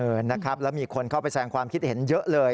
นะครับแล้วมีคนเข้าไปแสงความคิดเห็นเยอะเลย